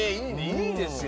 いいですよね。